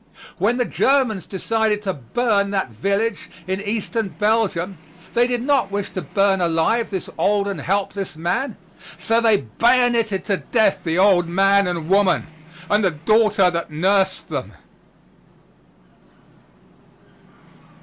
When the Germans decided to burn that village in Eastern Belgium, they did not wish to burn alive this old and helpless man, so they bayonetted to death the old man and woman, and the daughter that nursed them.